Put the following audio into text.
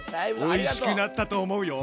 おいしくなったと思うよ。